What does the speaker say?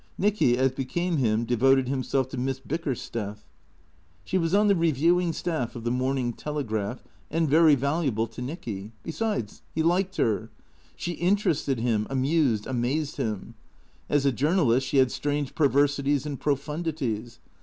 Nicky, as became him, devoted himself to Miss Bickersteth. She was on the reviewing staff of the " Morning Telegraph," and very valuable to Nicky. Besides, he liked her. She interested him, amused, amazed him. As a journalist she had strange per versities and profundities.